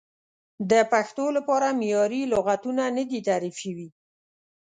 د پښتو لپاره معیاري لغتونه نه دي تعریف شوي.